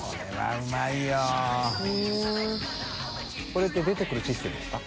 これって出てくるシステムですか？